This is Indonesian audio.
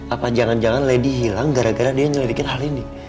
apa jangan jangan lady hilang gara gara dia nyelidikin hal ini